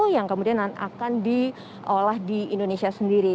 jadi olah di indonesia sendiri